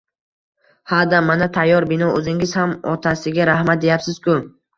— Ha-da, mana tayyor bino. O’zingiz ham otasiga rahmat, deyapsiz-ku.